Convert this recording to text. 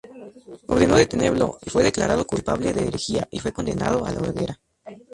Ordenó detenerlo, y fue declarado culpable de herejía y fue condenado a la hoguera.